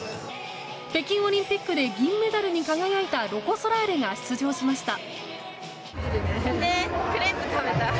北京オリンピックで銀メダルに輝いたロコ・ソラーレが出場しました。